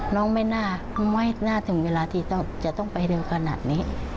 น้องไม่น่าถึงเวลาที่จะต้องไปเรื่องขนาดนี้